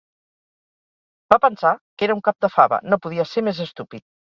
Va pensar que era un cap de fava, no podia ser més estúpid